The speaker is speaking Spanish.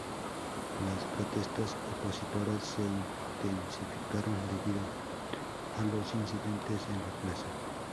Las protestas opositoras se intensificaron debido a los incidentes en la plaza.